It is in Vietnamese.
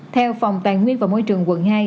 theo phòng tài nguyên và môi trường quận hai